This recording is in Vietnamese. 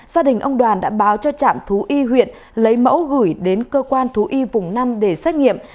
gia đình ông đoàn đã báo cho trạm thú y huyện lấy mẫu gửi đến cơ quan thú y vùng năm để xét nghiệm